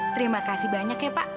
terima kasih banyak ya pak